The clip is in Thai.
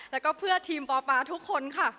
แล้วก็เพื่อทีมปอปาทุกคนค่ะ